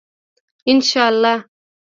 انشاالله.